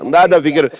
enggak ada pikir